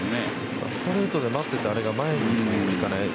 ストレートで待っていてあれが前にいかない。